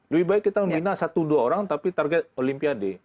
lebih baik kita membina satu dua orang tapi target olimpiade